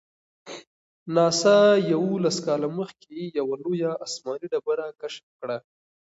ناسا یوولس کاله مخکې یوه لویه آسماني ډبره کشف کړه.